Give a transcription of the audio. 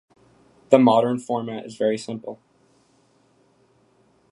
The modern format is very simple.